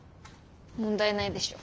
問題ないでしょ。